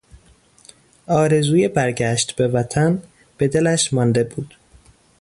آرزوی برگشت به وطن به دلش مانده بود.